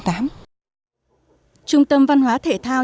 trung tâm văn hóa thể thao